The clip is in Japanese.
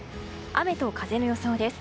雨と風の予想です。